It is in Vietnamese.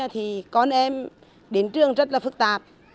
thì con em đến trường rất là phức tạp